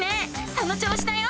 その調子だよ！